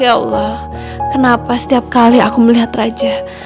ya allah kenapa setiap kali aku melihat raja